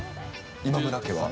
今村家は。